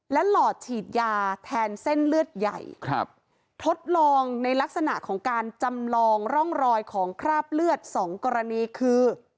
และหลอดฉีดยาแทนเส้นเลือดใหญ่ครับทดลองในลักษณะของการจำลองร่องรอยของคราบเลือดสองกรณีคือ